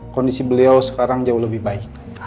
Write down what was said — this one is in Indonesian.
kondisi beliau sekarang jauh lebih baik